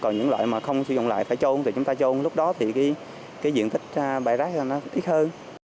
còn những loại mà không sử dụng lại thì chúng ta trôn lúc đó thì diện tích bài rác ít hơn